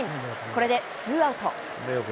これでツーアウト。